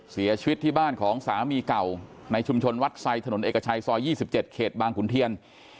เสียชีวิตที่บ้านของสามีเก่าในชุมชนวัดไซดถนนเอกชัยซอย๒๗เขตบางขุนเทียน